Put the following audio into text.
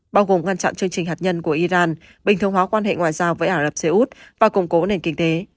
bao gồm ngăn chặn chương trình hạt nhân của iran bình thường hóa quan hệ ngoại giao với ả rập xê út và củng cố nền kinh tế